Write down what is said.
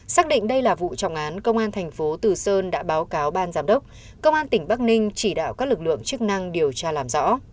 xác định đây là vụ trọng án công an thành phố từ sơn đã báo cáo ban giám đốc công an tỉnh bắc ninh chỉ đạo các lực lượng chức năng điều tra làm rõ